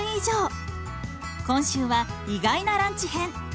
今週は意外なランチ編。